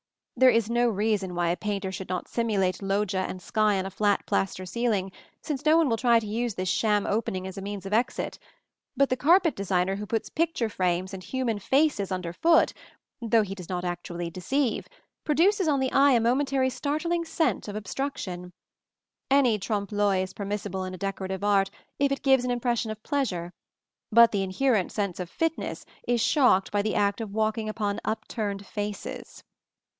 There is no reason why a painter should not simulate loggia and sky on a flat plaster ceiling, since no one will try to use this sham opening as a means of exit; but the carpet designer who puts picture frames and human faces under foot, though he does not actually deceive, produces on the eye a momentary startling sense of obstruction. Any trompe l'oeil is permissible in decorative art if it gives an impression of pleasure; but the inherent sense of fitness is shocked by the act of walking upon upturned faces.